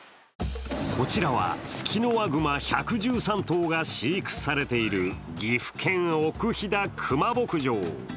こちらはツキノワグマ１１３頭が飼育されている岐阜県・奥飛騨クマ牧場。